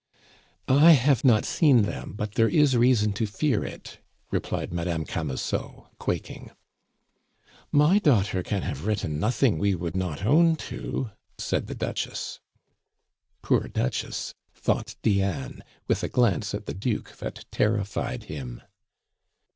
"I have not seen them, but there is reason to fear it," replied Madame Camusot, quaking. "My daughter can have written nothing we would not own to!" said the Duchess. "Poor Duchess!" thought Diane, with a glance at the Duke that terrified him.